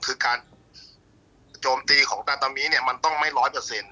คือการโจมตีของตาตามีเนี่ยมันต้องไม่ร้อยเปอร์เซ็นต